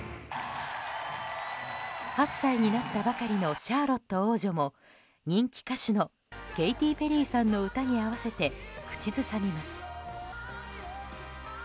８歳になったばかりのシャーロット王女も人気歌手のケイティ・ペリーさんの歌に合わせて口ずさみます。